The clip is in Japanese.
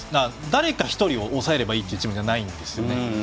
誰か１人を押さえればいいというチームじゃないんですね。